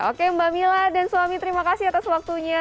oke mbak mila dan suami terima kasih atas waktunya